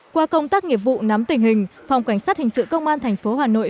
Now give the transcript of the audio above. qua công tác nghiệp vụ nắm tình hình phòng cảnh sát hình sự công an tp hà nội